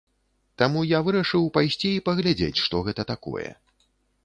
Таму я вырашыў пайсці і паглядзець, што гэта такое.